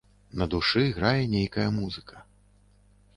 На душы грае нейкая музыка.